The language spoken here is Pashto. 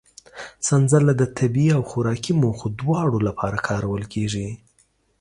سنځله د طبي او خوراکي موخو دواړو لپاره کارول کېږي.